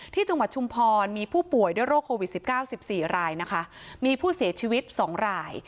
จังหวัดชุมพรมีผู้ป่วยด้วยโรคโควิด๑๙๑๔รายนะคะมีผู้เสียชีวิต๒ราย